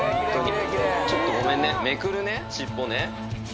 ちょっとごめんね、めくるね、尻尾ね。